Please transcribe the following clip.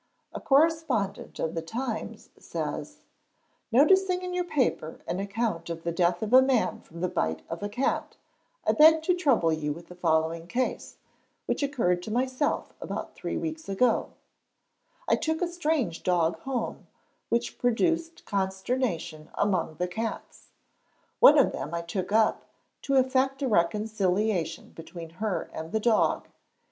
A correspondent of the Times says: "Noticing in your paper an account of the death of a man from the bite of a cat, I beg to trouble you with the following case, which occurred to myself about three weeks ago: I took a strange dog home, which produced consternation among the cats. One of them I took up, to effect a reconciliation between her and the dog.